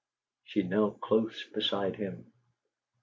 She knelt close beside him.